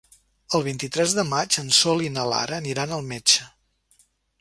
El vint-i-tres de maig en Sol i na Lara aniran al metge.